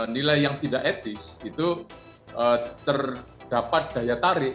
nilai yang tidak etis itu terdapat daya tarik